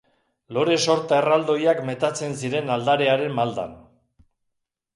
Lore sorta erraldoiak metatzen ziren aldarearen maldan.